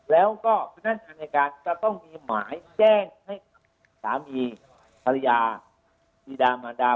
แล้วก็เมื่อนั้นอันยาการจะต้องมีหมายแจ้งให้สามีธรรยาพิธรรมดา